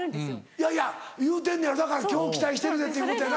いやいや言うてんのやろだから今日期待してるでということや。